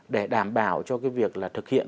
để đảm bảo cho cái việc là thực hiện